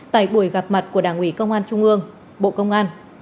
tại buổi gặp mặt của đảng ủy công an trung ương bộ công an